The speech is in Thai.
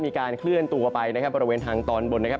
มีการเคลื่อนตัวไปนะครับบริเวณทางตอนบนนะครับ